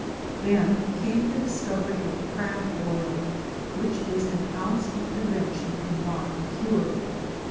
Then came the discovery of crab oil, which is an ounce of prevention and not a cure.